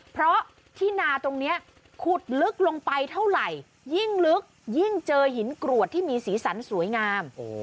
เพราะที่นาตรงนี้ขุดลึกลงไปเท่าไหร่ยิ่งลึกยิ่งเจอหินกรวดที่มีสีสันสวยงาม